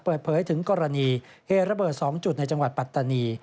เปิดเผยถึงกรณีเหตุระเบิด๒จุดในจังหวัดปัตตานี